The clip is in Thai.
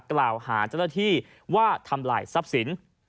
กล่าวหาเจ้าหน้าที่ว่าทำลายทรัพย์สิน